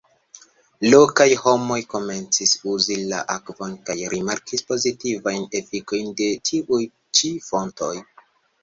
Lokaj homoj komencis uzi la akvon kaj rimarkis pozitivajn efikojn de tiuj ĉi fontoj.